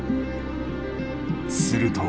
すると。